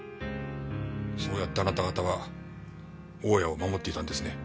そうやってあなた方は大家を守っていたんですね？